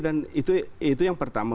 dan itu yang pertama